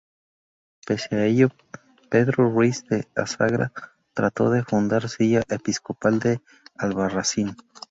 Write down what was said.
Pese a ello, Pedro Ruiz de Azagra, trató de fundar silla episcopal en Albarracín.